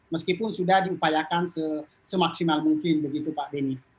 meskipun sudah diupayakan semaksimal mungkin begitu pak beni